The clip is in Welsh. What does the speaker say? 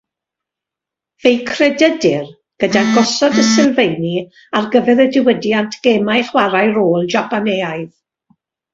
Fe'u credydir gyda gosod y sylfeini ar gyfer y diwydiant gemau chwarae rôl Japaneaidd.